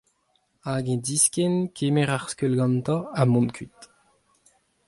Hag eñ diskenn, kemer ar skeul gantañ, ha mont kuit.